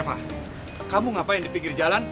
reva kamu ngapain dipinggir jalan